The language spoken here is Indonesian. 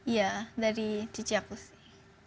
ya dari cici aku sih